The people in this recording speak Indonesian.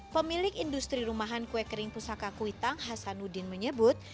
pemilik industri rumahan kue kering pusaka kuitang hasanuddin menyebut